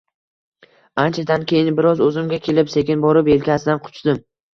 Anchadan keyin biroz o’zimga kelib, sekin borib yelkasidan quchdim: